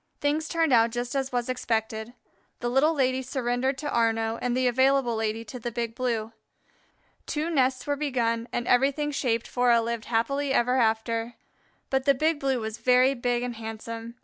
Things turned out just as was expected. The Little Lady surrendered to Arnaux and the Available Lady to the Big Blue. Two nests were begun and everything shaped for a "lived happily ever after." But the Big Blue was very big and handsome.